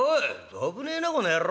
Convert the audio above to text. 「おい危ねえなこの野郎。